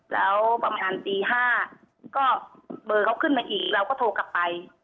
แล้วประมาณตี๕ก็เบอร์เขาขึ้นมาอีกเราก็โทรกลับไป